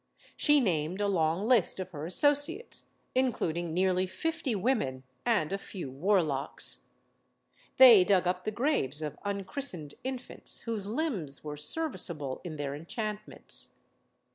She named a long list of her associates, including nearly fifty women and a few warlocks. They dug up the graves of unchristened infants, whose limbs were serviceable in their enchantments.